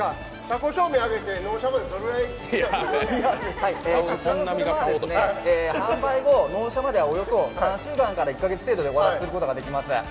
こちら、販売後、納車まではおよそ３週間から１カ月程度でお渡しすることができます。